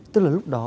tức là lúc đó